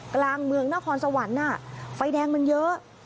กลางเมืองนครสวรรค์ไฟแดงมันเยอะ